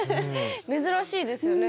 珍しいですよね。